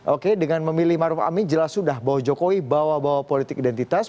oke dengan memilih maruf amin jelas sudah bahwa jokowi bawa bawa politik identitas